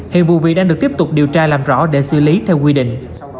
hiện vụ việc đang được tiếp tục điều tra làm rõ để xử lý theo quy định